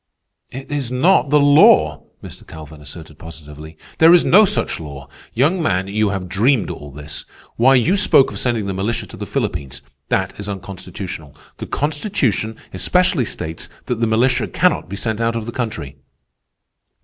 "It is not the law!" Mr. Calvin asserted positively. "There is no such law. Young man, you have dreamed all this. Why, you spoke of sending the militia to the Philippines. That is unconstitutional. The Constitution especially states that the militia cannot be sent out of the country."